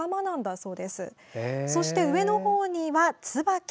そして、上のほうにはツバキ。